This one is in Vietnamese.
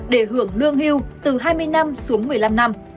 để hưởng lương hưu từ hai mươi năm xuống một mươi năm năm